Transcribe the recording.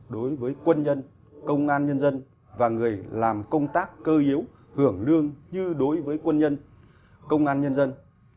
đối với quân nhân công an nhân dân và người làm công tác cơ yếu hưởng lương như đối với quân nhân công an nhân dân